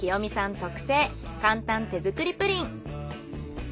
特製簡単手作りプリン。